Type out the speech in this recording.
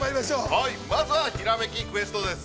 ◆はい、まずは「ひらめきクエスト」です。